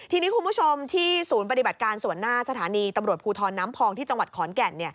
ทีนี้คุณผู้ชมที่ศูนย์ปฏิบัติการส่วนหน้าสถานีตำรวจภูทรน้ำพองที่จังหวัดขอนแก่น